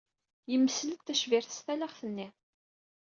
Yemsel-d tacbirt s talaɣt-nni.